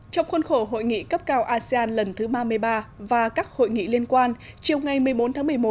trong khuôn khổ hội nghị cấp cao asean lần thứ ba mươi ba và các hội nghị liên quan chiều ngày một mươi bốn tháng một mươi một